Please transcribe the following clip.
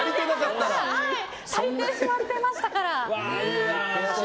足りてしまってましたから。